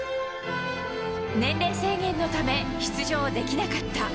年齢制限のため出場できなかった。